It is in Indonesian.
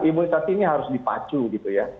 imunisasi ini harus dipacu gitu ya